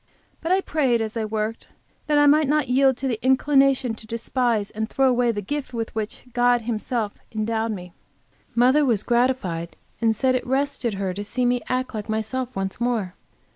But I prayed, as I worked, that I might not yield to the inclination to despise and throw away the gift with which God has Himself endowed me. Mother was gratified, and said it rested her to see me act like myself once more.